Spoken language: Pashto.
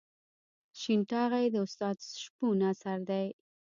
شین ټاغی د استاد شپون اثر دی.